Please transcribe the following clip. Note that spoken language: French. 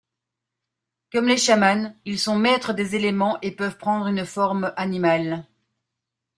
Comme les chamans, ils sont maîtres des éléments et peuvent prendre une forme animale.